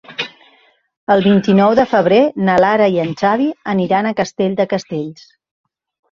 El vint-i-nou de febrer na Lara i en Xavi aniran a Castell de Castells.